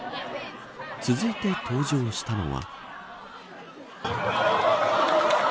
続いて登場したのは。